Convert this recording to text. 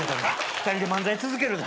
２人で漫才続けるぞ。